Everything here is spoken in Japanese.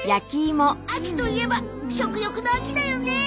秋といえば食欲の秋だよね！